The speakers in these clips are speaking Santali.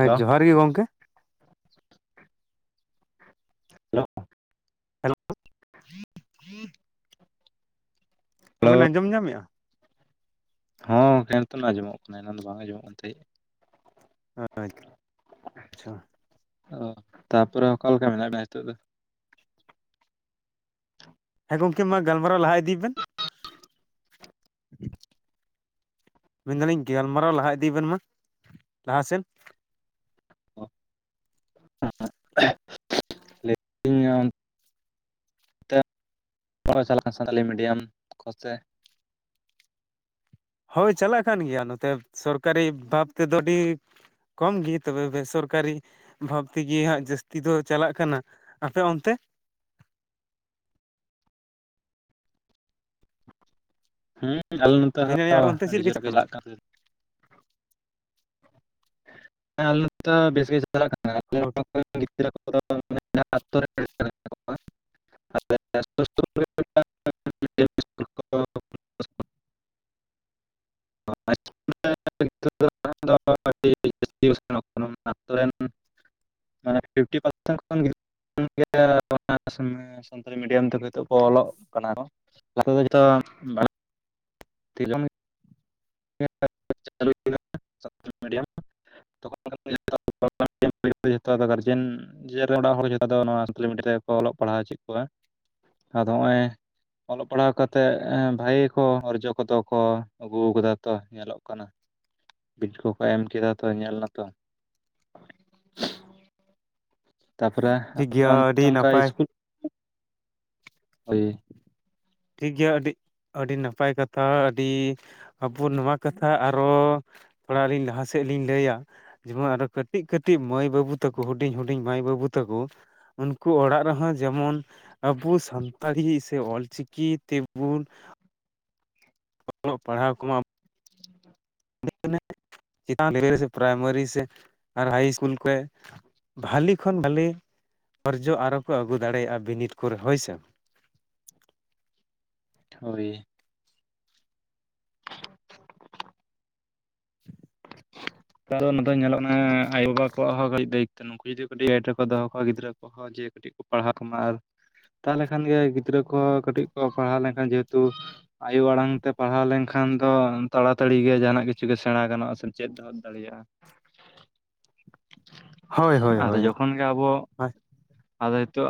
ᱦᱮᱞᱳ ᱡᱚᱦᱟᱨ ᱜᱮ ᱜᱚᱝᱠᱮ ᱦᱮᱞᱳ ᱦᱮᱞᱳ ᱦᱮᱸ ᱱᱤᱛᱚᱵᱤᱱ ᱟᱸᱡᱚᱢ ᱧᱟᱢᱮᱫᱼᱟ? ᱦᱚᱸ ᱮᱱᱛᱚᱱᱟᱜ ᱟᱸᱡᱚᱢᱚᱜ ᱠᱟᱱᱟ ᱮᱱᱟᱱ ᱫᱚ ᱵᱟᱝ ᱟᱸᱡᱚᱢᱚᱜ ᱠᱟᱱ ᱛᱟᱦᱮᱸᱫ ᱟᱪᱪᱷᱟ ᱚ ᱛᱟᱯᱚᱨᱮ ᱚᱠᱟᱞᱮᱠᱟ ᱢᱮᱱᱟᱜ ᱢᱮᱭᱟ ᱱᱤᱛᱚᱜ ᱫᱚ? ᱦᱮᱸ ᱜᱚᱢᱠᱮ ᱢᱟ ᱜᱟᱞᱟᱨᱟᱣ ᱞᱟᱦᱟ ᱤᱫᱤ ᱵᱮᱱ ᱢᱮᱱᱫᱟᱞᱤᱧ ᱜᱟᱞᱢᱟᱨᱟᱣ ᱞᱟᱦᱟ ᱤᱫᱤᱵᱮᱱ ᱢᱟ ᱞᱟᱦᱟ ᱥᱮᱱ ᱞᱟᱹᱭᱮ ᱫᱟᱞᱤᱧ ᱪᱟᱞᱟᱜ ᱠᱟᱱᱟ ᱥᱟᱱᱛᱟᱞᱤ ᱢᱤᱰᱤᱭᱟᱢ ᱦᱳᱭ ᱪᱟᱞᱟᱜ ᱠᱟᱱ ᱜᱮᱭᱟ ᱱᱚᱛᱮ ᱥᱚᱨᱠᱟᱨᱤ ᱵᱷᱟᱵ ᱛᱮᱫᱚ ᱟᱹᱰᱤ ᱠᱚᱢ ᱜᱮ ᱛᱚᱵᱮ ᱵᱮ ᱥᱚᱨᱠᱟᱨᱤ ᱵᱷᱟᱵ ᱛᱮᱜᱮ ᱦᱟᱸᱜ ᱡᱟᱹᱥᱛᱤ ᱫᱚ ᱪᱟᱞᱟᱜ ᱠᱟᱱᱟ ᱟᱯᱮ ᱚᱱᱛᱮ? ᱦᱩᱸ ᱟᱞᱮ ᱱᱚᱛᱮ ᱢᱮᱱᱮᱫ ᱟᱹᱧ ᱦᱚᱸ ᱟᱯᱮ ᱚᱱᱛᱮ ᱪᱮᱫ ᱟᱹᱰᱤ ᱞᱮᱠᱟ ᱡᱳᱨ ᱪᱟᱜ ᱜᱮ ᱠᱟᱱᱟ ᱪᱟᱞᱟᱜ ᱠᱟᱱ ᱦᱮᱸ ᱟᱞᱮ ᱱᱚᱛᱮ ᱦᱚᱸ ᱵᱮᱥ ᱜᱮ ᱪᱟᱞᱟᱜ ᱠᱟᱱᱟ ᱦᱳᱭ [inaudible] ᱟᱞᱮ ᱥᱩᱨ ᱥᱩᱯᱩᱨ ᱨᱮ ᱢᱤᱫᱴᱟᱝ ᱢᱤᱰᱤᱭᱟᱢ ᱤᱥᱠᱩᱞ ᱠᱚ ᱠᱷᱩᱞᱟᱹᱣ [inaudible] [inaudible] ᱢᱟᱱᱮ ᱯᱷᱤᱯᱴᱤ ᱯᱟᱨᱥᱮᱱ ᱠᱷᱚᱱ [inaudible] ᱥᱟᱱᱛᱟᱞᱤ ᱢᱤᱰᱤᱭᱟᱢ ᱛᱮᱠᱚ ᱱᱤᱛᱚᱜ ᱠᱚ ᱚᱞᱚᱜ ᱠᱟᱱᱟ ᱠᱚ [unintelligible] [unintelligible] [inaudible] [unintelligible] ᱡᱚᱛᱚ ᱟᱫᱚ ᱜᱟᱨᱡᱮᱱ ᱨᱮᱱ ᱚᱲᱟᱜ ᱦᱚᱲ ᱡᱚᱛᱚ ᱫᱚ ᱤᱥᱠᱩᱞ ᱢᱤᱰᱤᱭᱟ ᱛᱮᱠᱚ ᱚᱞᱚᱜ ᱯᱟᱲᱦᱟᱣ ᱦᱚᱪᱚᱭᱮᱫ ᱠᱚᱣᱟ ᱟᱫᱚ ᱱᱚᱜᱼᱚᱭ ᱚᱞᱚᱜ ᱯᱟᱲᱦᱟᱣ ᱠᱟᱛᱮᱫ ᱵᱷᱟᱜᱮ ᱠᱚ ᱚᱨᱡᱚ ᱠᱚᱫᱚ ᱠᱚ ᱟᱹᱜᱩ ᱟᱠᱟᱫᱟ ᱛᱚ ᱧᱮᱞᱚᱜ ᱠᱟᱱᱟ ᱵᱤᱞ ᱠᱚᱠᱚ ᱮᱢ ᱠᱮᱫᱟ ᱛᱚ ᱧᱮᱞ ᱱᱟᱛᱚ ᱛᱟᱯᱚᱨᱮ ᱴᱷᱤᱠ ᱟᱯᱮ ᱜᱮᱭᱟ ᱚᱱᱛᱮ ᱟᱹᱰᱤ ᱚᱱᱠᱟ ᱱᱟᱯᱟᱭ ᱤᱥᱠᱩᱞ ᱳᱭ ᱴᱷᱤᱠ ᱜᱮᱭᱟ ᱟᱹᱰᱤ ᱟᱹᱰᱤ ᱱᱟᱯᱟᱭ ᱠᱟᱛᱷᱟ ᱟᱹᱰᱤ ᱟᱵᱚ ᱱᱚᱣᱟ ᱠᱟᱛᱷᱟ ᱟᱨᱚ ᱛᱷᱚᱲᱟ ᱞᱤᱧ ᱞᱟᱦᱟ ᱥᱮᱫ ᱞᱤᱧ ᱞᱟᱹᱭᱟ ᱡᱮᱢᱚᱱ ᱟᱨᱚ ᱠᱟᱹᱴᱤᱡ ᱠᱟᱹᱴᱤᱡ ᱢᱟᱹᱭ ᱵᱟᱹᱵᱩ ᱛᱟᱠᱚ ᱦᱩᱰᱤᱧ ᱦᱩᱰᱤᱧ ᱢᱟᱹᱭ ᱵᱟᱹᱵᱩ ᱛᱟᱠᱚ ᱩᱱᱠᱩ ᱚᱲᱟᱜ ᱨᱮᱦᱚᱸ ᱡᱮᱢᱚᱱ ᱟᱵᱚ ᱥᱟᱱᱛᱟᱲᱤ ᱥᱮ ᱚᱞᱪᱤᱠᱤ ᱠᱤ ᱛᱮᱵᱚᱱ ᱚᱞᱚᱜ ᱯᱟᱲᱦᱟᱣ ᱠᱚᱢᱟ ᱪᱮᱛᱟᱱ ᱯᱨᱟᱭᱢᱟᱨᱤ ᱥᱮ ᱟᱨ ᱦᱟᱭ ᱤᱥᱠᱩᱞ ᱠᱷᱚᱱ ᱵᱷᱟᱞᱤ ᱠᱷᱚᱱ ᱵᱷᱟᱞᱮ ᱚᱨᱡᱚ ᱟᱨᱚ ᱠᱚ ᱟᱹᱜᱩ ᱫᱟᱲᱮᱭᱟᱜᱼᱟ ᱵᱤᱱᱤᱰ ᱠᱚᱨᱮ ᱦᱳᱭᱥᱮ᱾ ᱦᱳᱭ᱾ ᱮᱠᱟᱞ ᱚᱱᱟ ᱫᱚ ᱧᱮᱞᱚᱜ ᱠᱟᱱᱟ ᱟᱭᱳ ᱵᱟᱵᱟ ᱠᱚᱣᱟᱜ ᱦᱚᱸ ᱠᱟᱹᱴᱤᱡ ᱫᱟᱹᱭᱤᱛᱛᱚ ᱱᱩᱠᱩ ᱡᱩᱫᱤ ᱠᱟᱹᱴᱤᱡ ᱜᱟᱭᱤᱰ ᱨᱮᱠᱚ ᱫᱚᱦᱚ ᱠᱚᱣᱟ ᱜᱤᱫᱽᱨᱟᱹ ᱠᱚ, ᱦᱚᱸ ᱡᱮ ᱠᱟᱹᱴᱤᱡ ᱠᱚ ᱯᱟᱲᱦᱟᱜ ᱠᱚᱢᱟ ᱟᱨ ᱛᱟᱦᱚᱞᱮ ᱠᱷᱟᱱ ᱜᱮ ᱜᱤᱫᱽᱨᱟᱹ ᱠᱚᱦᱚᱸ ᱠᱟᱹᱴᱤᱡ ᱠᱚ ᱯᱟᱲᱦᱟᱣ ᱞᱮᱱᱠᱷᱟᱱ ᱡᱮᱦᱮᱛᱩ ᱟᱭᱳ ᱟᱲᱟᱝ ᱛᱮ ᱯᱟᱲᱦᱟᱣ ᱞᱮᱱᱠᱷᱟᱱ ᱫᱚ ᱛᱟᱲᱟᱛᱟᱲᱤ ᱜᱮ ᱡᱟᱦᱟᱸᱱᱟᱜ ᱠᱤᱪᱷᱩ ᱜᱮ ᱥᱮᱬᱟ ᱜᱟᱱᱚᱜᱼᱟ ᱥᱮ ᱪᱮᱫ ᱫᱚᱦᱚᱫ ᱫᱟᱲᱮᱭᱟᱜᱼᱟ ᱦᱳᱭ ᱦᱳᱭ ᱟᱫᱚ ᱦᱳᱭ ᱡᱚᱠᱷᱚᱱ ᱜᱮ ᱟᱵᱚ ᱟᱫᱚ ᱱᱤᱛᱚᱜ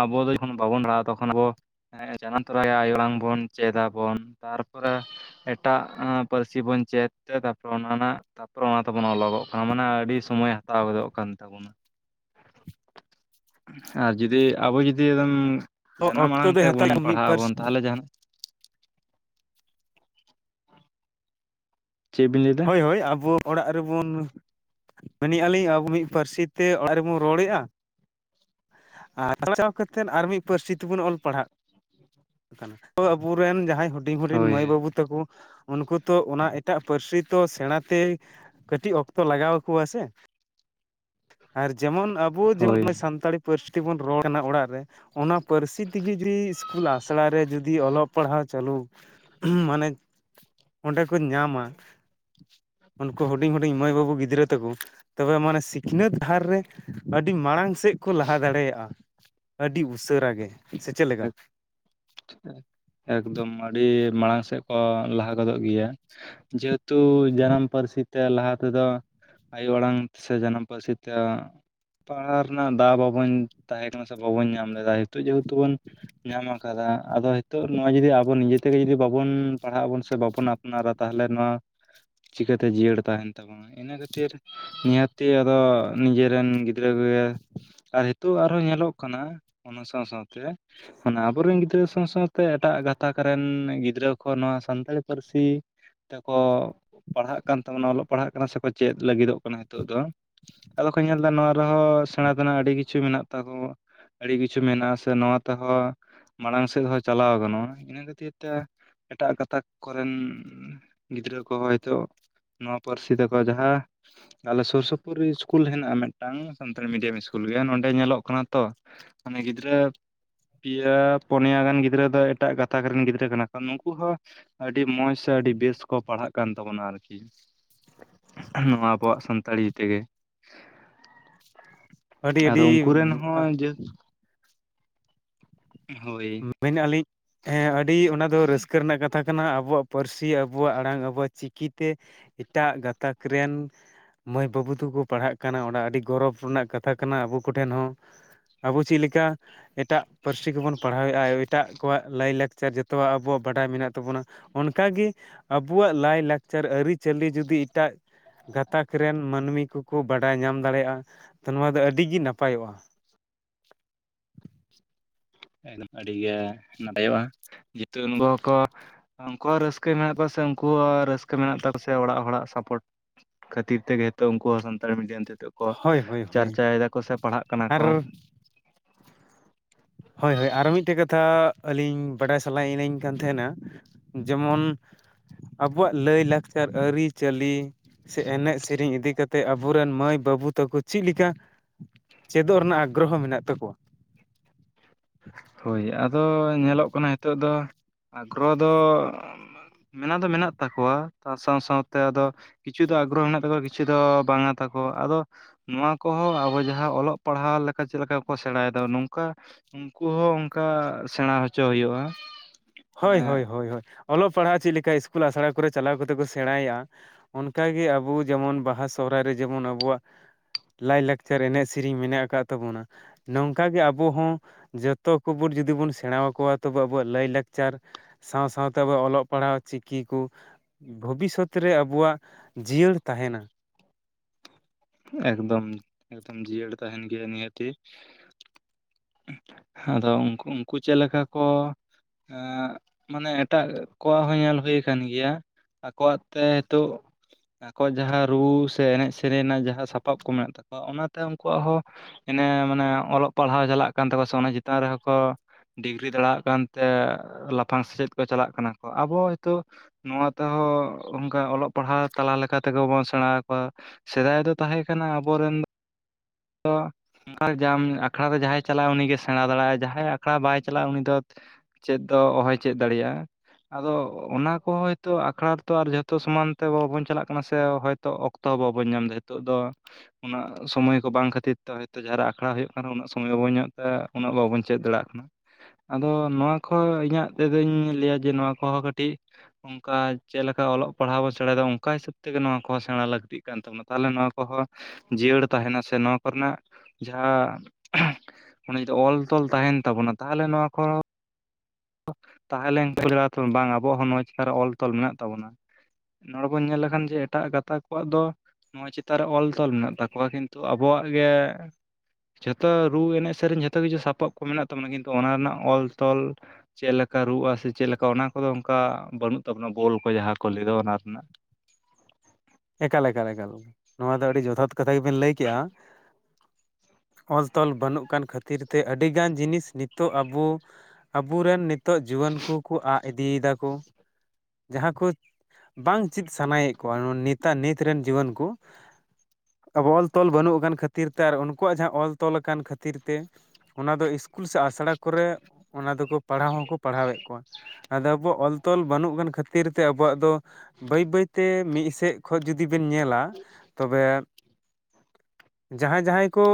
ᱟᱵᱚ ᱫᱚ ᱡᱚᱠᱷᱚᱱ ᱵᱟᱵᱚᱱ ᱯᱟᱲᱦᱟᱜᱼᱟ ᱛᱚᱠᱷᱚᱱ ᱟᱵᱚ ᱦᱮᱸ ᱡᱟᱱᱟᱢ ᱛᱚᱨᱟᱭᱟ ᱟᱭᱳᱟᱲᱟᱝ ᱵᱚᱱ ᱪᱮᱫᱟᱵᱚᱱ ᱛᱟᱨᱯᱚᱨᱮ ᱮᱴᱟᱜ ᱯᱟᱹᱨᱥᱤ ᱵᱚᱱ ᱪᱮᱫ ᱛᱮ ᱛᱟᱯᱚᱨ ᱚᱱᱟ ᱨᱮᱱᱟᱜ ᱛᱟᱯᱚᱨᱮ ᱚᱱᱟ ᱛᱮᱵᱚᱱ ᱚᱞᱚᱜᱚᱜ ᱠᱟᱱᱟ, ᱢᱟᱱᱮ ᱟᱹᱰᱤ ᱥᱚᱢᱚᱭ ᱦᱟᱛᱟᱣ ᱜᱚᱫᱚᱜ ᱠᱟᱱ ᱛᱟᱵᱚᱱᱟ ᱟᱨ ᱡᱩᱫᱤ ᱟᱵᱚ ᱡᱩᱫᱤ ᱮᱠᱫᱚᱢ ᱡᱟᱱᱟᱢ ᱟᱲᱟᱝ ᱚᱠᱛᱚ ᱫᱚᱭ ᱛᱮᱵᱚᱱ ᱦᱟᱛᱟᱣ ᱢᱤᱫ ᱯᱟᱲᱦᱟᱜ ᱵᱟᱨ ᱟᱵᱚᱱ ᱛᱟᱦᱚᱞᱮ ᱡᱟᱦᱟᱸᱱᱟᱜ ᱪᱮᱫ ᱵᱤᱱ ᱞᱮᱭ ᱫᱟ? ᱦᱳᱭ ᱦᱳᱭ ᱟᱵᱚ ᱚᱲᱟᱜ ᱨᱮᱵᱚᱱ ᱢᱮᱱᱮᱜᱼᱟᱞᱤᱧ ᱟᱵᱚ ᱢᱤᱫ ᱯᱟᱹᱨᱥᱤ ᱛᱮ ᱚᱲᱟᱜ ᱨᱮᱵᱚᱱ ᱨᱚᱲᱮᱜᱼᱟ, ᱟᱨ [unintelligible] ᱠᱟᱛᱮᱜ ᱟᱨ ᱢᱤᱫ ᱯᱟᱹᱨᱥᱤ ᱛᱮᱵᱚᱱ ᱚᱞ ᱯᱟᱲᱦᱟᱜ ᱠᱟᱱᱟ ᱛᱚᱵᱮ ᱟᱵᱩ ᱨᱮᱱ ᱡᱟᱦᱟᱸᱭ ᱦᱩ ᱰᱤᱧ ᱦᱩᱰᱤᱱ ᱦᱳᱭ ᱢᱟᱹᱭ ᱵᱟᱹᱵᱩ ᱛᱟᱠᱚ ᱩᱱᱠᱩ ᱛᱚ ᱚᱱᱟ ᱮᱴᱟᱜ ᱯᱟᱹᱨᱥᱤ ᱛᱚ ᱥᱮᱬᱟ ᱛᱮ ᱠᱟᱹᱴᱤᱡ ᱚᱠᱛᱚ ᱞᱟᱜᱟᱣ ᱟᱠᱚᱣᱟ ᱥᱮ᱾ ᱟᱨ ᱡᱮᱢᱚᱱ ᱟᱵᱚ ᱦᱳᱭ ᱡᱮᱢᱚᱱ ᱥᱟᱱᱛᱟᱲᱤ ᱯᱟᱹᱨᱥᱤ ᱵᱚᱱ ᱨᱚᱲ ᱠᱟᱱᱟ ᱚᱲᱟᱜ ᱨᱮ ᱚᱱᱟ ᱯᱟᱹᱨᱥᱤ ᱛᱤᱜᱮ ᱡᱩᱫᱤ ᱤᱥᱠᱩᱞ ᱟᱥᱲᱟ ᱨᱮ ᱡᱩᱫᱤ ᱚᱞᱚᱜ ᱯᱟᱲᱦᱟᱣ ᱪᱟᱹᱞᱩ ᱢᱟᱱᱮ ᱚᱸᱰᱮ ᱠᱚ ᱧᱟᱢᱟ, ᱩᱱᱠᱩ ᱦᱩᱰᱤᱧ ᱦᱩᱰᱤᱧ ᱢᱟᱹᱭ ᱵᱟᱹᱵᱩ ᱜᱤᱫᱽᱨᱟᱹ ᱛᱟᱠᱩ ᱛᱚᱵᱮ ᱢᱟᱱᱮ ᱥᱤᱠ ᱱᱟᱹᱛ ᱰᱟᱦᱟᱨ ᱨᱮ ᱟᱹᱰᱤ ᱢᱟᱲᱟᱝ ᱥᱮᱫ ᱠᱚ ᱞᱟᱦᱟ ᱫᱟᱲᱮᱭᱟᱜᱼᱟ ᱟᱹᱰᱤ ᱩᱥᱟᱹᱨᱟ ᱜᱮ᱾ ᱥᱮ ᱪᱮᱫ ᱞᱮᱠᱟ? [unintelligible] ᱮᱠᱫᱚᱢ ᱟᱹᱰᱤ ᱢᱟᱲᱟᱝ ᱥᱮᱫ ᱠᱚ ᱞᱟᱦᱟ ᱜᱚᱫᱚᱜ ᱜᱮᱭᱟ ᱡᱮ ᱛᱩ ᱡᱟᱱᱟᱢ ᱯᱟᱹᱨᱥᱤ ᱛᱮ ᱞᱟᱦᱟ ᱛᱮᱫᱚ ᱟᱭᱳ ᱟᱲᱟᱝ ᱥᱮ ᱡᱟᱱᱟᱢ ᱯᱟᱹᱨᱥᱤ ᱛᱮ ᱯᱟᱲᱦᱟᱣ ᱨᱮᱱᱟᱜ ᱫᱟᱣ ᱵᱟᱵᱚᱱ ᱛᱟᱦᱮᱸ ᱠᱟᱱᱟ ᱥᱮ ᱵᱟᱵᱚᱱ ᱧᱟᱢ ᱞᱮᱫᱟ, ᱦᱤᱛᱚᱜ ᱡᱮᱦᱮᱛᱩ ᱵᱚᱱ ᱧᱟᱢ ᱠᱟᱫᱟ ᱟᱫᱚ ᱦᱤᱛᱚᱜ ᱱᱚᱣᱟ ᱡᱩᱫᱤ ᱟᱵᱚ ᱱᱤᱡᱮ ᱛᱮᱜᱮ ᱡᱩᱫᱤ ᱵᱟᱵᱚᱱ ᱯᱟᱲᱦᱟᱜ ᱟᱵᱚᱱ ᱥᱮ ᱵᱟᱵᱚᱱ ᱟᱯ ᱱᱟᱨᱟ ᱛᱟᱦᱞᱮ ᱱᱚᱣᱟ ᱪᱤᱠᱟᱹ ᱛᱮ ᱡᱤᱭᱟᱹᱲ ᱛᱟᱦᱮᱸᱱ ᱛᱟᱵᱚᱱᱟ? ᱤᱱᱟᱹ ᱠᱷᱟᱹᱛᱤᱨ ᱱᱤᱦᱟᱹᱛᱤ ᱟᱫᱚ ᱱᱤᱡᱮ ᱨᱮᱱ ᱜᱤᱫᱽᱨᱟᱹ ᱠᱚᱜᱮ ᱟᱨ ᱦᱤᱛᱚᱜ ᱟᱨᱦᱚᱸ ᱧᱮᱞᱚᱜ ᱠᱟᱱᱟ ᱚᱱᱟ ᱥᱟᱶ ᱥᱟᱶᱛᱮ ᱚᱱᱟ ᱟᱵᱚ ᱨᱮᱱ ᱜᱤᱫᱽᱨᱟᱹ ᱥᱟᱶ ᱥᱟᱶᱛᱮ ᱮᱴᱟᱜ ᱜᱟᱛᱟᱠ ᱨᱮᱱ ᱜᱤᱫᱽᱨᱟᱹ ᱠᱚ ᱱᱚᱣᱟ ᱥᱟᱱᱛᱟᱲᱤ ᱯᱟᱹᱨᱥᱤ ᱛᱮᱠᱚ ᱯᱟᱲᱦᱟᱜ ᱠᱟᱱ ᱛᱟᱵᱚᱱᱟ ᱚᱞᱚᱜ ᱯᱟᱲᱦᱟᱜ ᱠᱟᱱᱟ ᱥᱮᱠᱚ ᱪᱮᱫ ᱞᱟᱹᱜᱤᱫᱚᱜ ᱠᱟᱱᱟ ᱦᱤᱛᱚᱜ ᱫᱚ, ᱟᱫᱚ ᱠᱚ ᱧᱮᱞ ᱫᱟ ᱱᱚᱣᱟ ᱨᱮᱦᱚᱸ ᱥᱮᱬᱟ ᱛᱮᱱᱟᱜ ᱟᱹᱰᱤ ᱠᱤᱪᱷᱩ ᱢᱮᱱᱟᱜ ᱛᱟᱠᱚᱣᱟ᱾ ᱟᱹᱰᱤ ᱠᱤᱪᱷᱩ ᱢᱮᱱᱟᱜᱼᱟ ᱥᱮ ᱱᱚᱣᱟ ᱛᱮᱦᱚᱸ ᱢᱟᱲᱟᱝ ᱥᱮᱫ ᱦᱚᱸ ᱪᱟᱞᱟᱣ ᱜᱟᱱᱚᱜᱼᱟ, ᱤᱱᱟᱹ ᱠᱷᱟᱹᱛᱤᱨ ᱛᱮ ᱮᱴᱟᱜ ᱜᱟᱛᱟᱠ ᱠᱚᱨᱮᱱ ᱜᱤᱫᱽᱨᱟᱹ ᱠᱚ ᱦᱚᱭᱛᱳ ᱱᱚᱣᱟ ᱯᱟᱹᱨᱥᱤ ᱛᱮᱠᱚ ᱡᱟᱦᱟ ᱟᱞᱮ ᱥᱩᱨ ᱥᱩᱯᱩᱨ ᱤᱥᱠᱩᱞ ᱦᱮᱸᱱᱟᱜᱼᱟ ᱢᱤᱫᱴᱟᱝ ᱥᱟᱱᱛᱟᱲᱤ ᱢᱤᱰᱤᱭᱟᱢ ᱤᱥᱠᱩᱞ ᱜᱮ ᱱᱚᱸᱰᱮ ᱧᱮᱞᱚᱜ ᱠᱟᱱᱟ ᱛᱚ ᱢᱟᱱᱮ ᱜᱤᱫᱽᱨᱟᱹ ᱯᱮᱭᱟ ᱯᱩᱱᱭᱟ ᱜᱟᱱ ᱜᱤᱫᱽᱨᱟᱹ ᱫᱚ ᱮᱴᱟᱜ ᱜᱟᱛᱟᱠ ᱨᱮᱱ ᱜᱤᱫᱽᱨᱟᱹ ᱠᱟᱱᱟ ᱠᱚ ᱱᱩᱠᱩ ᱦᱚᱸ ᱟᱹᱰᱤ ᱢᱚᱸᱡ ᱥᱮ ᱟᱹᱰᱤ ᱵᱮᱥ ᱠᱚ ᱯᱟᱲᱦᱟᱜ ᱠᱟᱱ ᱛᱟᱵᱚᱱᱟ ᱟᱨᱠᱤ᱾ ᱱᱚᱣᱟ ᱟᱵᱚᱣᱟᱜ ᱥᱟᱱᱛᱟᱲᱤ ᱛᱮᱜᱮ᱾ ᱟᱹᱰᱤ ᱟᱫᱚ ᱟᱹᱰᱤ ᱩᱝᱠᱩ ᱨᱮᱱ ᱦᱚᱸ ᱡᱮ ᱦᱳᱭ᱾ ᱢᱮᱱᱮᱫᱼᱟᱞᱤᱧ ᱦᱮᱸ ᱟᱹᱰᱤ ᱚᱱᱟ ᱫᱚ ᱨᱟᱹᱥᱠᱟᱹ ᱨᱮᱱᱟᱜ ᱠᱟᱛ ᱛᱷᱟ ᱠᱟᱱᱟ ᱟᱵᱚᱣᱟᱜ ᱯᱟᱹᱨᱥᱤ, ᱟᱵᱚᱣᱟᱜ ᱟᱲᱟᱝ, ᱟᱵᱚᱣᱟᱜ ᱪᱤᱠᱤ ᱛᱮ ᱮᱴᱟᱜ ᱜᱟᱛᱟᱠ ᱨᱮᱱ ᱢᱟᱹᱭ ᱵᱟᱹᱵᱩ ᱛᱮᱠᱚ ᱯᱟᱲᱦᱟᱜ ᱠᱟᱱᱟ ᱚᱱᱟ ᱟᱹᱰᱤ ᱜᱚᱨᱚᱵᱽ ᱨᱮᱱᱟᱜ ᱠᱟᱛᱷᱟ ᱠᱟᱱᱟ ᱟᱵᱚ ᱠᱚᱴᱷᱮᱱ ᱦᱚᱸ ᱟᱵᱚ ᱪᱮᱫ ᱞᱮᱠᱟ ᱮᱴᱟᱜ ᱯᱟᱹᱨᱥᱤ ᱠᱚᱵᱚᱱ ᱯᱟᱲᱦᱟᱣᱮᱫᱼᱟ ᱮᱴᱟᱜ ᱠᱚᱣᱟᱜ ᱞᱟᱭ ᱞᱟᱠᱪᱟᱨ ᱡᱚᱛᱚᱣᱟᱜ ᱟᱵᱚᱣᱟᱜ ᱵᱟᱰᱟᱭ ᱢᱮᱱᱟᱜ ᱛᱟᱵᱚᱱᱟ᱾ ᱚᱱᱠᱟ ᱜᱮ ᱟᱵᱚᱣᱟᱜ ᱞᱟᱭᱼᱞᱟᱠᱪᱟᱨ ᱟᱹᱨᱤ ᱪᱟᱹᱞᱤ ᱡᱩᱫᱤ ᱮᱴᱟᱜ ᱜᱟᱛᱟᱠ ᱨᱮᱱ ᱢᱟᱹᱱᱢᱤ ᱠᱩᱠᱚ ᱵᱟᱰᱟᱭ ᱧᱟᱢ ᱫᱟᱲᱮᱭᱟᱜ-ᱟ ᱛᱚ ᱱᱚᱣᱟ ᱫᱚ ᱟᱹᱰᱤ ᱜᱮ ᱱᱟᱯᱟᱭᱚᱜ-ᱟ ᱾ ᱮᱠᱫᱚᱢ ᱟᱹᱰᱤ ᱜᱮ ᱱᱟᱯᱟᱭᱚᱜᱼᱟ [unintelligible] ᱩᱱᱠᱩᱣᱟᱜ ᱨᱟᱹᱥᱠᱟᱹ ᱢᱮᱱᱟᱜ ᱠᱚᱣᱟ ᱥᱮ, ᱩᱱᱠᱩᱣᱟᱜ ᱨᱟᱹᱥᱠᱟᱹ ᱢᱮᱱᱟᱜ ᱛᱟᱠᱚ ᱥᱮ, ᱚᱲᱟᱜ ᱦᱚᱲᱟᱜ ᱥᱟᱯᱳᱨᱴ ᱾ ᱠᱷᱟᱛᱤᱨ ᱛᱮᱜᱮ ᱛᱚ ᱩᱱᱠᱩ ᱦᱚᱸ ᱥᱟᱱᱛᱟᱲᱤ ᱢᱤᱰᱤᱭᱟᱢ ᱛᱮ ᱛᱚᱜ ᱠᱚ ᱦᱳᱭ ᱦᱳᱭ ᱦᱳᱭ ᱪᱟᱨᱪᱟᱭᱮᱫᱟ ᱠᱚ ᱥᱮ ᱯᱟᱲᱦᱟᱜ ᱠᱟᱱᱟ ᱠᱚ ᱾ ᱟᱨ ᱦᱚᱭ ᱦᱚᱭ ᱟᱨᱚ ᱢᱤᱫᱴᱮᱱ ᱠᱟᱛᱷᱟ ᱟᱹᱞᱤᱧ ᱵᱟᱰᱟᱭ ᱥᱟᱱᱟᱭᱮᱫ ᱞᱤᱧ ᱠᱟᱱ ᱛᱟᱦᱮᱱᱟ ᱡᱮᱢᱚᱱ ᱟᱵᱚᱣᱟᱜ ᱞᱟᱹᱭᱼᱞᱟᱠᱪᱟᱨ, ᱟᱹᱨᱤ-ᱪᱟᱹᱞᱤ ᱥᱮ ᱮᱱᱮᱡᱽ ᱥᱮᱨᱮᱧ ᱤᱫᱤ ᱠᱟᱛᱮᱜ ᱟᱵᱚᱨᱮᱱ ᱢᱟᱹᱭ ᱵᱟᱹᱵᱩ ᱛᱟᱠᱚ ᱪᱤᱫ ᱞᱮᱠᱟ ᱪᱮᱫᱚᱜ ᱨᱮᱱᱟᱜ ᱟᱜᱽᱜᱨᱚᱦᱚ ᱢᱮᱱᱟᱜ ᱛᱟᱠᱚᱣᱟ ᱾ [inaudible] ᱦᱚᱭ ᱟᱫᱚ ᱧᱮᱞᱚᱜ ᱠᱟᱱᱟ ᱦᱤᱛᱚᱜ ᱫᱚ ᱟᱜᱽᱜᱨᱚᱦᱚ ᱫᱚ ᱢᱮᱱᱟᱜ ᱫᱚ ᱢᱮᱱᱟᱜ ᱛᱟᱠᱚᱣᱟ ᱥᱟᱶ ᱥᱟᱶ ᱛᱮ ᱟᱫᱚ ᱠᱤᱪᱷᱩ ᱫᱚ ᱟᱜᱽᱨᱚᱦᱚ ᱢᱮᱱᱟᱜ ᱛᱟᱠᱚᱣᱟ ᱠᱤᱪᱷᱩ ᱫᱚ ᱵᱟᱝᱼᱟ ᱛᱟᱠᱚᱣᱟ ᱟᱫᱚ ᱱᱚᱣᱟ ᱠᱚᱦᱚᱸ ᱟᱵᱚ ᱡᱟᱦᱟᱸ ᱚᱞᱚᱜ- ᱯᱟᱲᱦᱟᱣ ᱞᱮᱠᱟ ᱪᱮᱫ ᱞᱮᱠᱟ ᱠᱚ ᱥᱮᱬᱟᱭᱮᱫᱟ ᱱᱚᱝᱠᱟ ᱩᱸ ᱩᱱᱠᱩ ᱦᱚᱸ ᱚᱱᱠᱟ ᱥᱮᱬᱟ ᱦᱚᱪᱚ ᱦᱩᱭᱩᱜᱼᱟ ᱾ ᱦᱚᱭ ᱦᱚᱭ ᱦᱚᱭ ᱚᱞᱚᱜ ᱯᱟᱲᱦᱟᱜ ᱪᱤᱫ ᱞᱮᱠᱟ ᱤᱥᱠᱩᱞ ᱟᱸᱥᱲᱟ ᱠᱚᱨᱮ ᱪᱟᱞᱟᱣ ᱠᱟᱛᱮ ᱠᱚ ᱥᱮᱲᱟᱭᱟ ᱾ ᱚᱱᱠᱟ ᱜᱮ ᱟᱵᱚ ᱡᱮᱢᱚᱱ ᱵᱟᱦᱟ ᱥᱚᱨᱦᱟᱭ ᱨᱮ ᱡᱮᱢᱚᱱ ᱟᱵᱚᱣᱟᱜ ᱞᱟᱹᱭ-ᱞᱟᱠᱪᱟᱨ, ᱮᱱᱮᱡ-ᱥᱤᱨᱤᱧ ᱢᱮᱱᱟᱜ ᱟᱠᱟᱫ ᱛᱟᱵᱚᱱᱟ ᱾ ᱱᱚᱝᱠᱟ ᱜᱮ ᱟᱵᱚ ᱦᱚᱸ ᱡᱚᱛᱚ ᱠᱚ ᱵᱚᱱ ᱡᱩᱫᱤ ᱵᱚᱱ ᱥᱮᱲᱟ ᱟᱠᱚᱣᱟ ᱛᱚᱵᱮ ᱟᱵᱚᱣᱟᱜ ᱞᱟᱹᱭ-ᱞᱟᱠ ᱪᱟᱨ ᱥᱟᱶ-ᱥᱟᱶ ᱛᱮ ᱟᱵᱚᱣᱟᱜ ᱚᱞᱚᱜ ᱯᱟᱲᱦᱟᱣ ᱪᱤᱠᱤ ᱠᱚ ᱵᱷᱚᱵᱤᱥᱚᱛ ᱨᱮ ᱟᱵᱚᱣᱟᱜ ᱡᱤᱭᱟᱹᱲ ᱛᱟᱦᱮᱱᱟ ᱾ ᱮᱠᱫᱚᱢ ᱮᱠᱫᱚᱢ ᱡᱤᱭᱟᱹᱲ ᱛᱟᱦᱮᱱ ᱜᱮᱭᱟ ᱱᱤᱦᱟᱹᱛᱤ ᱾ ᱟᱫᱚ ᱩᱱᱠᱩ, ᱩᱱᱠᱩ ᱪᱮᱫ ᱞᱮᱠᱟ ᱠᱚ ᱟᱻ ᱢᱟᱱᱮ ᱮᱴᱟᱜ ᱠᱚᱣᱟᱜ ᱦᱚᱸ ᱧᱮᱞ ᱦᱩᱭ ᱠᱟᱱ ᱜᱮᱭᱟ ᱟᱠᱚᱣᱟᱜ ᱛᱮ ᱦᱮᱛᱚᱜ ᱟᱠᱚᱣᱟᱜ ᱡᱟᱦᱟ ᱨᱩᱸ ᱥᱮ ᱮᱱᱮᱡ ᱥᱮᱨᱮᱧ ᱨᱮᱱᱟᱜ ᱡᱟᱦᱟ ᱥᱟᱯᱟᱯ ᱠᱚ ᱢᱮᱱᱟᱜ ᱛᱟᱠᱚᱣᱟ ᱚᱱᱟ ᱛᱮ ᱩᱱᱠᱩᱣᱟᱜ ᱦᱚᱸ ᱤᱱᱟᱹ ᱢᱟᱱᱮ ᱚᱞᱚᱜ ᱯᱟᱲᱦᱟᱣ ᱪᱟᱞᱟᱜ ᱠᱟᱱ ᱛᱟᱠᱚ ᱥᱮ ᱚᱱᱟ ᱪᱮᱛᱟᱱ ᱨᱮᱦᱚᱸ ᱠᱚ ᱰᱤᱜᱽᱨᱤ ᱫᱟᱲᱮᱭᱟᱜ ᱠᱟᱱ ᱛᱮ ᱞᱟᱯᱷᱟᱝ ᱥᱮᱪᱮᱫ ᱠᱚ ᱪᱟᱞᱟᱜ ᱠᱟᱱᱟ ᱠᱚ ᱾ ᱟᱵᱚ ᱦᱤᱛᱚᱜ ᱱᱚᱣᱟ ᱛᱮᱦᱚᱸ ᱚᱱᱠᱟ ᱚᱞᱚᱜ ᱯᱟᱲᱦᱟᱣ ᱛᱟᱞᱟ ᱞᱮᱠᱟ ᱛᱮᱜᱮ ᱵᱚᱱ ᱥᱮᱲᱟ ᱟᱠᱚᱣᱟ ᱾ ᱥᱮᱫᱟᱭ ᱫᱚ ᱛᱟᱦᱮᱸ ᱠᱟᱱᱟ ᱟᱵᱚ ᱨᱮᱱ [unintelligible] [unintelligible] ᱟᱠᱷᱲᱟ ᱨᱮ ᱡᱟᱸᱦᱟᱭ ᱪᱟᱞᱟᱜᱼᱟ ᱩᱱᱤ ᱜᱮ ᱥᱮᱲᱟ ᱫᱟᱲᱮᱭᱟᱜ-ᱟ ᱾ ᱡᱟᱸᱦᱟᱭ ᱟᱠᱷᱲᱟ ᱵᱟᱭ ᱪᱟᱞᱟᱜᱼᱟ ᱩᱱᱤ ᱫᱚ ᱪᱮᱫ ᱫᱚ ᱚᱦᱚᱭ ᱪᱮᱫ ᱫᱟᱲᱮᱭᱟᱜᱼᱟ ᱾ ᱟᱫᱚ ᱚᱱᱟ ᱠᱚ ᱦᱚᱭ ᱛᱚ ᱟᱠᱷᱲᱟ ᱨᱮ ᱛᱚ ᱟᱨ ᱡᱚᱛᱚ ᱥᱚᱢᱟᱱ ᱛᱮ ᱵᱟᱵᱚᱱ ᱪᱟᱞᱟᱜ ᱠᱟᱱᱟ ᱥᱮ ᱦᱚᱭ ᱛᱚ ᱚᱠᱛᱚ ᱦᱚᱸ ᱵᱟᱵᱚᱱ ᱧᱟᱢ ᱫᱟ ᱱᱤᱛᱚᱜ ᱫᱚ ᱾ ᱩᱱᱟᱹᱜ ᱥᱚᱢᱚᱭ ᱠᱚ ᱵᱟᱝ ᱠᱷᱟᱹᱛᱤᱨ ᱛᱮ ᱦᱚᱭ ᱛᱚ ᱡᱟᱦᱟ ᱨᱮ ᱟᱠᱷᱲᱟ ᱦᱩᱭᱩᱜ ᱠᱟᱱᱟ ᱩᱱᱟᱜ ᱥᱚᱢᱟᱭ ᱵᱟ ᱵᱚᱱ ᱧᱟᱢ ᱮᱫ ᱛᱮ ᱩᱱᱟᱹᱜ ᱵᱟᱵᱚᱱ ᱪᱮᱫ ᱫᱟᱲᱮᱜ ᱠᱟᱱᱟ ᱾ ᱟᱫᱚ ᱱᱚᱣᱟ ᱠᱚ ᱤᱧᱟᱹᱜ ᱛᱮ ᱫᱚᱸᱧ ᱞᱟᱹᱭᱟ ᱡᱮ ᱱᱚᱣᱟ ᱠᱚ ᱦᱚᱸ ᱠᱟᱹᱴᱤᱡ ᱚᱱᱠᱟ ᱪᱮᱫ ᱞᱮᱠᱟ ᱚᱞᱚᱜ ᱯᱟᱲᱦᱟᱣ ᱵᱚᱱ ᱥᱮᱲᱟᱭ ᱫᱟ ᱚᱱᱠᱟ ᱦᱤᱥᱟᱹᱵᱽ ᱛᱮᱜᱮ ᱱᱚᱣᱟ ᱠᱚᱦᱚᱸ ᱥᱮᱲᱟ ᱞᱟᱹᱠᱛᱤᱜ ᱠᱟᱱ ᱛᱟᱵᱚ ᱱᱟ ᱾ ᱛᱟᱦᱞᱮ ᱱᱚᱣᱟ ᱠᱚᱦᱚᱸ ᱡᱤᱭᱟᱹᱲ ᱛᱟᱦᱮᱱᱟ ᱥᱮ ᱱᱚᱣᱟ ᱠᱚ ᱨᱮᱱᱟᱜ ᱡᱟᱦᱟ ᱢᱟᱱᱮ ᱡᱩᱫᱤ ᱚᱞ-ᱛᱚᱞ ᱛᱟᱦᱮᱱ ᱛᱟᱵᱚᱱᱟ ᱛᱟᱦᱞᱮ ᱱᱚᱣᱟ ᱠᱚ ᱛᱟᱦᱮ ᱞᱮᱱ [unintelligible] ᱵᱟᱝ ᱟᱵᱚᱣᱟᱜ ᱦᱚᱸ ᱱᱚᱣᱟ ᱪᱮᱛᱟᱱ ᱨᱮ ᱚᱞ ᱛᱚᱞ ᱢᱮᱱᱟᱜ ᱛᱟᱵᱚ ᱱᱟ ᱾ ᱱᱚᱰᱮ ᱵᱚᱱ ᱧᱮᱞ ᱞᱮᱠᱷᱟᱱ ᱡᱮ ᱮᱴᱟᱜ ᱜᱟᱛᱟᱠ ᱠᱚᱣᱟᱜ ᱫᱚ -ᱼ ᱱᱚᱣᱟ ᱪᱮᱛᱟᱱ ᱨᱮ ᱚᱞ ᱛᱚᱞ ᱢᱮᱱᱟᱜ ᱛᱟᱠᱚᱣᱟ ᱠᱤᱱᱛᱩ ᱟᱵᱚᱣᱟᱜ ᱜᱮ ᱡᱷᱚᱛᱚ ᱨᱩᱸ ᱮᱱᱮᱡ ᱥᱮᱹᱨᱮᱹᱧ ᱡᱷᱚᱛᱚ ᱠᱤᱪᱷᱩ ᱥᱟᱯᱟᱯ ᱠᱚ ᱢᱮᱱᱟᱜ ᱛᱟᱵᱚ ᱱᱟ ᱠᱤᱱᱛᱩ ᱚᱱᱟ ᱨᱮᱱᱟᱜ ᱚᱞ ᱛᱚᱞ ᱪᱮᱫ ᱞᱮᱠᱟ ᱨᱩᱜᱼᱟ ᱥᱮ ᱪᱮᱫ ᱞᱮᱠᱟ ᱚᱱᱟ ᱠᱚᱫᱚ ᱚᱱᱠᱟ ᱵᱟᱹᱱᱩᱜ ᱛᱟᱵᱚ ᱱᱟ ᱵᱳᱞ ᱠᱚ ᱡᱟᱦᱟ ᱠᱚ ᱞᱟᱹᱭ ᱫᱟ ᱚᱱᱟ ᱨᱮᱱᱟᱜ ᱾ ᱮᱠᱟᱞ, -ᱮᱠᱟᱞ -ᱮᱠᱟᱞ, ᱱᱚᱣᱟ ᱫᱚ ᱟᱹᱰᱤ ᱡᱚᱛᱷᱟᱛ ᱠᱟᱛᱷᱟ ᱜᱮ ᱵᱤᱱ ᱞᱟᱹᱭ ᱠᱮᱜᱼᱟ ᱾ ᱚᱞ ᱛᱚᱞ ᱵᱟᱹᱱᱩᱜ ᱠᱟᱱ ᱠᱷᱟᱹᱛᱤᱨ ᱛᱮ ᱟᱹᱰᱤ ᱜᱟᱱ ᱡᱤᱱᱤᱥ ᱱᱤᱛᱚᱜ ᱟᱵᱚ ᱟᱵᱚ ᱨᱮᱱ ᱱᱤᱛᱚᱜ ᱡᱩᱣᱟᱹᱱ ᱠᱩᱠᱚ ᱟᱫ [unintelligible] ᱤᱫᱤ ᱫᱟ ᱠᱚ ᱡᱟᱦᱟ ᱠᱚ ᱵᱟᱝ ᱪᱮᱫ ᱥᱟᱱᱟᱭ ᱮᱫ ᱠᱚᱣᱟ ᱱᱤᱛ ᱾ ᱛᱟᱨ ᱱᱤᱛ ᱨᱮᱱ ᱡᱩᱣᱟᱹᱱ ᱠᱚ ᱾ [unintelligible] ᱚᱞ ᱛᱚᱞ ᱵᱟᱹᱱᱩᱜ ᱟᱠᱟᱱ ᱠᱷᱟᱹᱛᱤᱨ ᱛᱮ ᱟᱨ ᱩᱱᱠᱩᱣ ᱟᱜ ᱡᱟᱦᱟ ᱚᱞ ᱛᱚᱞ ᱟᱠᱟᱱ ᱠᱷᱟᱹᱛᱤᱨ ᱛᱮ ᱚᱱᱟ ᱫᱚ ᱤᱥᱠᱩᱞ ᱥᱮ ᱟᱥᱲᱟ ᱠᱚᱨᱮ ᱚᱱᱟ ᱫᱚ ᱠᱚ ᱯᱟᱲᱦᱟᱣ ᱦᱚᱸᱠᱚ ᱯᱟᱲᱦᱟᱣ ᱮᱫ ᱾ [unintelligible] ᱟᱫᱚ ᱟᱵᱚᱣᱟᱜ ᱚᱞ ᱛᱚᱞ ᱵᱟᱹᱱᱩᱜ ᱠᱟᱱ ᱠᱷᱟᱹᱛᱤᱨ ᱛᱮ ᱟᱵᱚᱣᱟᱜ ᱫᱚ ᱵᱟᱹᱭ ᱵᱟᱹᱭ ᱛᱮ ᱢᱤᱫ ᱥᱮᱫ [unintelligible] ᱠᱷᱚᱡ ᱡᱩᱫᱤ ᱵᱮᱱ ᱧᱮᱞᱟ ᱛᱚᱵᱮ ᱡᱟᱸᱦᱟᱭ ᱡᱟᱸᱦᱟᱭ ᱠᱚ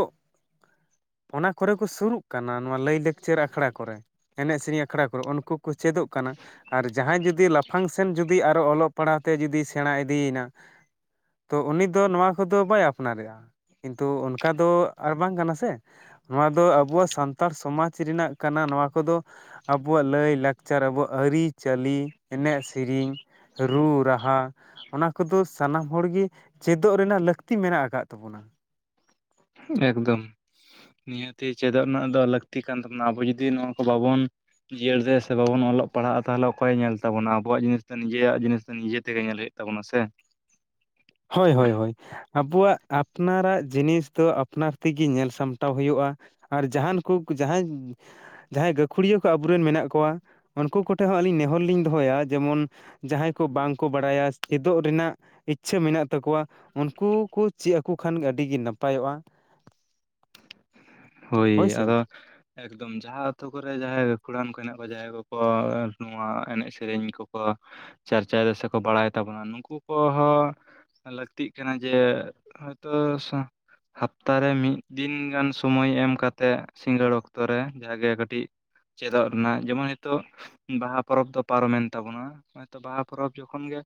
ᱚᱱᱟ ᱠᱚᱨᱮ ᱠᱚ ᱥᱩᱨᱩᱜ ᱠᱟᱱᱟ ᱱᱚᱣᱟ ᱞᱟᱹᱭ ᱞᱟᱠᱪᱟᱨ ᱟᱠᱷᱲᱟ ᱠᱚᱨᱮ ᱮᱱᱮᱡ ᱥᱮᱹᱨᱮᱹᱧ ᱟᱠᱷᱲᱟ ᱠᱚᱨᱮ ᱩᱱᱠᱩ ᱠᱚ ᱪᱮᱫᱚᱜ ᱠᱟᱱᱟ ᱾ ᱟᱨ ᱡᱟᱸᱦᱟᱭ ᱡᱩᱫᱤ ᱞᱟᱯᱷᱟᱝ ᱥᱮᱱ ᱡᱩᱫᱤ ᱟᱨᱚ ᱚᱞᱚᱜ ᱯᱟᱲᱦᱟᱣ ᱛᱮ ᱡᱩᱫᱤ ᱥᱮᱸᱲᱟ ᱤᱫᱤᱭ ᱮᱱᱟ, ᱛᱚ ᱩᱱᱤ ᱫᱚ ᱱᱚᱣᱟ ᱠᱚᱫᱚ ᱵᱟᱭ ᱟᱯᱱᱟᱨ ᱮᱜᱼᱟ ᱠᱤᱱᱛᱩ ᱚᱱᱠᱟ ᱫᱚ ᱟᱨ ᱵᱟᱝ ᱠᱟᱱᱟ ᱥᱮ? ᱱᱚᱣᱟ ᱫᱚ ᱟᱵᱚᱣᱟᱜ ᱥᱟᱱᱛᱟᱲ ᱥᱚᱢᱟᱡᱽ ᱨᱮᱱᱟᱜ ᱠᱟᱱᱟ ᱱᱚᱣᱟ ᱠᱚᱫᱚ ᱾ ᱟᱵᱚᱣᱟᱜ ᱞᱟᱹᱭ ᱞᱟᱠᱪᱟᱨ ᱟᱵᱚᱣᱟᱜ ᱟᱹᱨᱤ ᱪᱟᱹᱞᱤ ᱮᱱᱮᱡ ᱥᱤᱨᱤᱧ ᱨᱩ- ᱨᱟᱦᱟ, ᱠᱚᱫᱚ ᱥᱟᱱᱟᱢ ᱦᱚᱲ ᱜᱮ ᱪᱮᱫᱚᱜ ᱨᱮᱱᱟᱜ ᱞᱟᱹᱠᱛᱤ ᱢᱮᱱᱟᱜ ᱟᱠᱟᱫ ᱛᱟᱵᱚ ᱱᱟ ᱾ ᱮᱠᱫᱚᱢ ᱾ ᱱᱤᱦᱟᱹᱛᱤ ᱪᱮᱫᱚᱜ ᱨᱮᱱᱟᱜ ᱫᱚ ᱞᱟᱹᱠᱛᱤ ᱠᱟᱱ ᱛᱟᱵᱚ ᱱᱟ ᱟᱵᱚ ᱡᱩᱫᱤ ᱱᱚᱣᱟ ᱠᱚ ᱵᱟᱵᱚᱱ ᱡᱤᱭᱟᱹᱲ ᱨᱮ ᱥᱮ ᱵᱟᱵᱚᱱ ᱚᱞᱚᱜ ᱯᱟᱲᱦᱟᱜᱼᱟ ᱛᱟᱞᱦᱮ ᱚᱠᱚᱭᱮ ᱧᱮᱞ ᱛᱟᱵᱚᱱᱟ ᱟᱵᱚᱣᱟᱜ ᱡᱤᱱᱤᱥ ᱫᱚ ᱱᱤᱡᱮᱭᱟᱜ ᱡᱤᱱᱤᱥ ᱫᱚ ᱱᱤᱡᱮ ᱛᱮᱜᱮ ᱧᱮᱞ ᱦᱩᱭᱩᱜ ᱾ ᱛᱟᱵᱚᱱᱟ ᱥᱮ ᱾ ᱦᱳᱭ -ᱦᱳᱭ -ᱦᱳᱭ ᱾ ᱟᱵᱚᱣᱟᱜ ᱟᱯᱱᱟᱨᱟᱜ ᱡᱤᱱᱤᱥ ᱫᱚ ᱟᱯᱱᱟᱨ ᱛᱮᱜᱤ ᱧᱮᱞ ᱥᱟᱢᱴᱟᱣ ᱦᱳᱭᱳᱜᱼᱟ ᱟᱨ ᱡᱟᱦᱟᱱ ᱠᱚᱠ ᱡᱟᱦᱟᱸᱧ ᱡᱟᱦᱟᱸᱭ ᱜᱟᱹᱠᱷᱩᱲᱤᱭᱟᱹ ᱠᱚ ᱟᱵᱚᱨᱮᱱ ᱢᱮᱱᱟᱜ ᱠᱚᱣᱟ ᱩᱱᱠᱩ ᱠᱚᱴᱷᱮᱡ ᱦᱚᱸ ᱟᱹᱞᱤᱧ ᱱᱮᱦᱚᱨ ᱞᱤᱧ ᱫᱚᱦᱚᱭᱟ ᱡᱮᱢᱚᱱ ᱡᱟᱸᱦᱟᱸᱭ ᱠᱚ ᱵᱟᱝ ᱠᱚ ᱵᱟᱲᱟᱭᱟ ᱪᱮᱫᱚᱜ ᱨᱮᱱᱟᱜ ᱤᱪ, -ᱪᱷᱟᱹ ᱢᱮᱱᱟᱜ ᱛᱟᱠᱚᱣᱟ ᱩᱱᱠᱩ ᱠᱚ ᱪᱮᱫ ᱟᱠᱚ ᱠᱷᱟᱱ ᱟᱹᱰᱤᱜᱮ ᱱᱟᱯᱟᱭᱚᱜᱼᱟ ᱾ ᱠᱷᱮᱴᱮᱠ ᱦᱳᱭ ᱟᱫᱚ ᱮᱠᱫᱚᱢ ᱡᱟᱦᱟᱸ ᱟᱛᱳ ᱠᱚᱨᱮ ᱡᱟᱦᱟᱸᱭ ᱜᱟᱹᱠᱷᱩᱲᱟᱱ ᱠᱚ ᱦᱮᱱᱟᱜ ᱠᱚᱣᱟ ᱡᱟᱦᱟᱸᱭ ᱠᱚᱠᱚ ᱱᱚᱣᱟ ᱮᱱᱮᱡ ᱥᱮᱹᱨᱮᱹᱧ ᱠᱚᱠᱚ ᱪᱟᱨᱪᱟᱭ ᱫᱟ ᱥᱮᱠᱚ ᱵᱟᱲᱟᱭ ᱛᱟᱵᱚᱱᱟ ᱱᱩᱠᱩ ᱠᱚᱦᱚ ᱞᱟᱹᱠᱛᱤᱜ ᱠᱟᱱᱟ ᱡᱮ ᱦᱚᱭᱛᱚ ᱦᱟᱯᱛᱟᱨᱮ ᱢᱤᱫ ᱫᱤᱱ ᱜᱟᱱ ᱥᱚ ᱥᱳᱢᱳᱭ ᱮᱢ ᱠᱟᱛᱮᱜ ᱥᱤᱸᱜᱟᱹᱲ ᱚᱠᱛᱚ ᱨᱮ ᱡᱟᱜᱮ ᱠᱟᱹᱴᱤᱡ, ᱪᱮᱫᱚᱜ ᱨᱮᱱᱟᱜ ᱡᱮᱢᱚᱱ ᱱᱤᱛᱚᱜ ᱵᱟᱦᱟ ᱯᱚᱨᱚᱵᱽ ᱫᱚ ᱯᱟᱨᱚᱢᱮᱱ ᱛᱟᱵᱚᱱᱟ ᱦᱚᱭᱛᱚ ᱵᱟᱦᱟ ᱯᱚᱨᱚᱵᱽ ᱡᱚᱠᱷᱚᱱ ᱜᱮ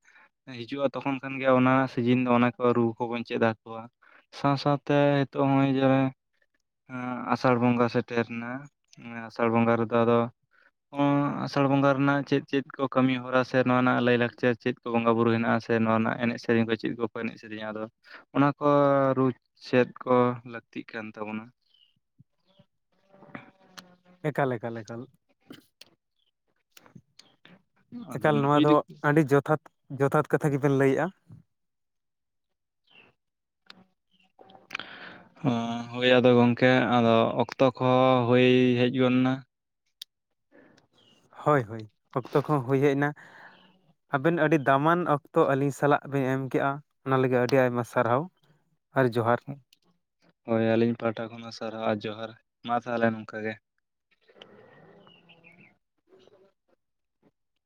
ᱦᱤᱡᱩᱜᱼᱟ ᱛᱚᱠᱷᱚᱱ ᱠᱷᱟᱱᱜᱮ ᱚᱱᱟ ᱥᱤᱡᱤᱱ ᱫᱚ ᱚᱱᱟ ᱠᱚ ᱨᱩ ᱠᱚᱵᱚᱱ ᱪᱮᱫ ᱟᱠᱚᱣᱟ ᱥᱟᱶ ᱥᱟᱶᱛᱮ ᱱᱤᱛᱚᱜ ᱦᱚᱸᱜᱼᱚᱭ ᱡᱮ ᱟᱥᱟᱲ ᱵᱚᱸᱜᱟ ᱥᱮᱴᱮᱨᱱᱟ ᱟᱥᱟᱲ ᱵᱚᱸᱜᱟ ᱨᱮᱫᱚ ᱟᱫᱚ ᱚᱸ, ᱟᱥᱟᱲ ᱵᱚᱸᱜᱟ ᱨᱮᱱᱟᱜ ᱪᱮᱫ ᱪᱮᱫ ᱠᱚ ᱠᱟᱹᱢᱤ ᱦᱚᱨᱟ ᱥᱮ ᱱᱚᱣᱟ ᱨᱮᱱᱟᱜ ᱞᱟᱹᱭᱼᱞᱟᱠᱪᱟᱨ ᱪᱮᱫ ᱵᱚᱸᱜᱟ ᱵᱩᱨᱩ ᱦᱮᱱᱟᱜᱼᱟ ᱥᱮ ᱱᱚᱣᱟ ᱨᱮᱱᱟᱜ ᱮᱱᱮᱡ ᱥᱮᱹᱨᱮᱹᱧ ᱠᱚ ᱪᱮᱫ ᱠᱚᱠᱚ ᱮᱱᱮᱡ ᱥᱮᱹᱨᱮᱹᱧᱟ ᱟᱫᱚ, ᱚᱱᱟ ᱠᱚ ᱨᱩ ᱪᱮᱫ ᱠᱚ ᱞᱟᱹᱠᱛᱤᱜ ᱠᱟᱱ ᱛᱟᱵᱚᱱᱟ ᱮᱠᱟᱞ ᱮᱠᱟᱞ ᱮᱠᱟᱞ ᱟᱫᱚ ᱮᱠᱟᱞ ᱱᱩᱠᱩ ᱱᱚᱣᱟ ᱡᱩᱫᱤ ᱫᱚ ᱟᱹᱰᱤ ᱡᱚᱛᱷᱟᱛ ᱡᱚᱛᱷᱟᱛ ᱠᱟᱛᱷᱟ ᱜᱮᱵᱤᱱ ᱞᱟᱹᱭᱮᱜᱼᱟ ᱦᱩᱸ ᱦᱳᱭ ᱟᱫᱚ ᱜᱚᱝᱠᱮ ᱟᱫᱚ ᱚᱠᱛᱚ ᱠᱚᱦᱚᱸ ᱦᱳᱭ ᱦᱮᱡ ᱜᱚᱫ ᱮᱱᱟ ᱦᱳᱭ ᱦᱳᱭ ᱚᱠᱛᱚ ᱠᱚᱦᱚᱸ ᱦᱳᱭ ᱦᱮᱡ ᱮᱱᱟ ᱟᱵᱮᱱ ᱟᱹᱰᱤ ᱫᱟᱢᱟᱱ ᱚᱠᱛᱚ ᱟᱹᱞᱤᱧ ᱥᱟᱞᱟᱜ ᱵᱤᱱ ᱮᱢ ᱠᱮᱜᱼᱟ ᱚᱱᱟ ᱞᱟᱹᱜᱤᱫ ᱟᱹᱰᱤ ᱟᱭᱢᱟ ᱥᱟᱨᱦᱟᱣ ᱟᱨ ᱡᱚᱦᱟᱨ ᱦᱳᱭ ᱟᱹᱞᱤᱧ ᱯᱟᱦᱴᱟ ᱠᱷᱚᱱ ᱦᱚᱸ ᱥᱟᱨᱦᱟᱣ ᱟᱨ ᱡᱚᱦᱟᱨ ᱢᱟ ᱛᱟᱞᱦᱮ ᱱᱚᱝᱠᱟ ᱜᱮ